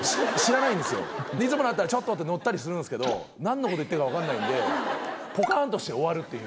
いつもだったらちょっと！って乗ったりするんですけど何のこと言ってるか分かんないんでポカンとして終わるっていう。